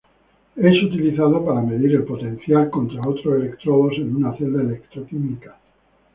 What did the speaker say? Es utilizado para medir el potencial contra otros electrodos en una celda electroquímica.